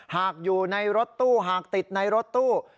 หากอยู่ในรถตู้หากติดในรถตู้